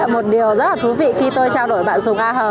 một điều rất là thú vị khi tôi trao đổi bạn sùng a hờ